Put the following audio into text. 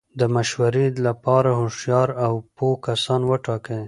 د مشورې له پاره هوښیار او پوه کسان وټاکئ!